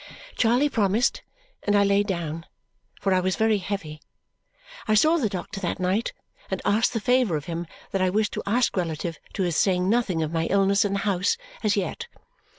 Charley promised, and I lay down, for I was very heavy. I saw the doctor that night and asked the favour of him that I wished to ask relative to his saying nothing of my illness in the house as yet.